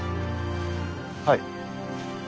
はい。